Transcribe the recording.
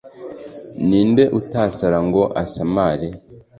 ni nde utasara ngo asamare”